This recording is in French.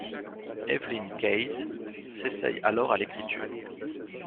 Evelyn Keyes s'essaie alors à l'écriture.